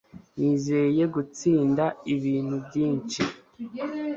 Nizeye gutsinda ibintu byinshi